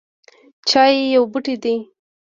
چای یو بوټی دی